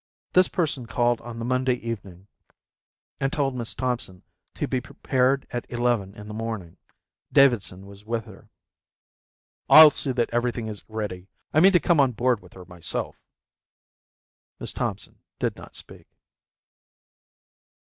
This person called on the Monday evening and told Miss Thompson to be prepared at eleven in the morning. Davidson was with her. "I'll see that everything is ready. I mean to come on board with her myself." Miss Thompson did not speak.